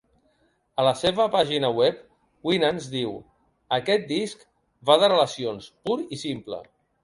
A la seva pàgina web, Winans diu: "Aquest disc va de relacions, pur i simple".